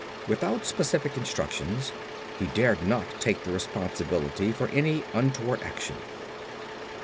Without specific instructions he dared not take the responsibility for any untoward action.